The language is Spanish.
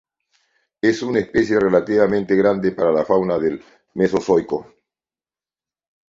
Es una especie relativamente grande para la fauna del Mesozoico.